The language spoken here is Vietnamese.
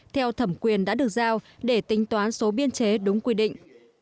theo thẩm quyền đã được giao để tính toán số biên chế đúng quy định